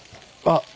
あっ。